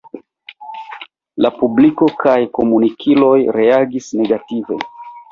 La publiko kaj komunikiloj reagis negative.